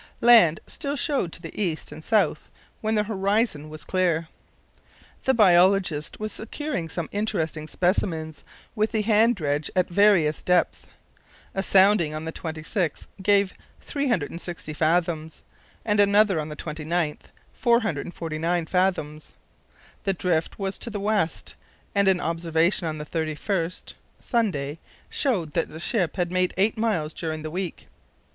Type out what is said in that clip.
Land still showed to the east and south when the horizon was clear. The biologist was securing some interesting specimens with the hand dredge at various depths. A sounding on the 26th gave 360 fathoms, and another on the 29th 449 fathoms. The drift was to the west, and an observation on the 31st (Sunday) showed that the ship had made eight miles during the week.